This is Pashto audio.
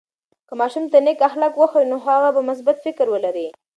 که ماشوم ته نیک اخلاق وښیو، نو هغه به مثبت فکر ولري.